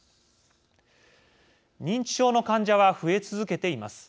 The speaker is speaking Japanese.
認知症の患者は増え続けています。